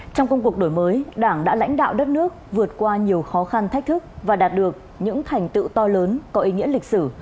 trong công cuộc đổi mới đảng đã lãnh đạo đất nước vượt qua nhiều khó khăn thách thức và đạt được những thành tựu to lớn có ý nghĩa lịch sử